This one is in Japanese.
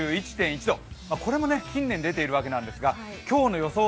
これも近年出ているわけですが今日の予想